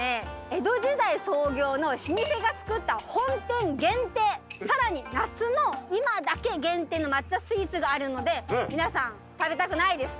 江戸時代創業の老舗が作った本店限定さらに夏の今だけ限定の抹茶スイーツがあるので皆さん。